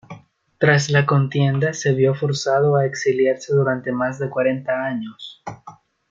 Tras la contienda se vio forzado a exiliarse durante más de cuarenta años.